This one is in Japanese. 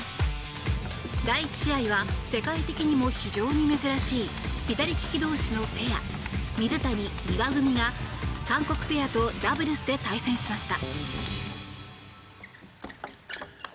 第１試合は世界的にも非常に珍しい左利き同士のペア水谷・丹羽組が、韓国ペアとダブルスで対戦しました。